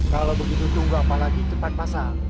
kalau begitu tunggu apa lagi tempat pasang